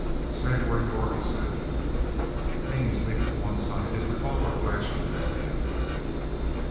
"Stand where you are," he said. Haines leaped to one side, his revolver flashing in his hand.